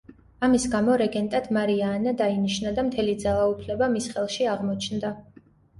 ამის გამო რეგენტად მარია ანა დაინიშნა და მთელი ძალაუფლება მის ხელში აღმოჩნდა.